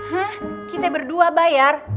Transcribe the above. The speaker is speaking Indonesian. hah kita berdua bayar